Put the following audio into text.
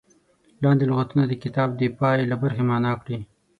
لاندې لغتونه د کتاب د پای له برخې معنا کړي.